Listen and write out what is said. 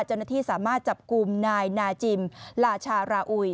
เจ้าหน้าที่สามารถจับกลุ่มนายนาจิมลาชาราอุย